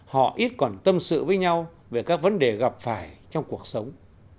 họ ít còn tâm sự với nhau về các vấn đề gặp phải trong cuộc sống